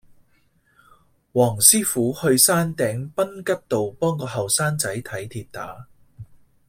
黃師傅去山頂賓吉道幫個後生仔睇跌打